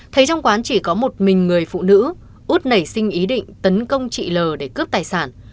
thấy trong quán chỉ có một mình người phụ nữ út nảy sinh ý định tấn công chị l để cướp tài sản